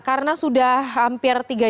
karena sudah hampir tiga jam